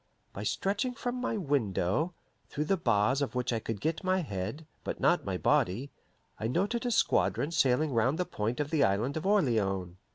By stretching from my window, through the bars of which I could get my head, but not my body, I noted a squadron sailing round the point of the Island of Orleans.